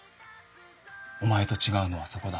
お前と違うのはそこだ。